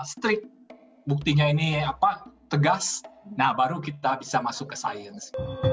strict buktinya ini tegas nah baru kita bisa masuk ke sains